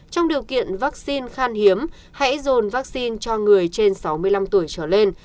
trong điều kiện vaccine khan hiếm hãy dồn vaccine cho người trên sáu mươi năm tuổi trở lên